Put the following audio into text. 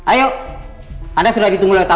tidak ada orang yang mungkulin gue pak